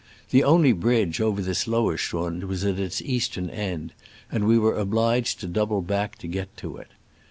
The only bridge over this lower schrund was at its eastern end, and we were obliged to double back to get to it.